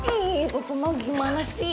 ih papa mau gimana sih